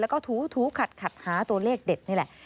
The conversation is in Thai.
แล้วก็ถูขัดหาตัวเลขเด็ดนี่แหละ